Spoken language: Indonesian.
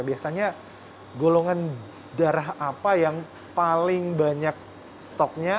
biasanya golongan darah apa yang paling banyak stoknya